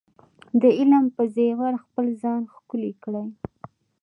د علم په زیور خپل ځان ښکلی کړئ.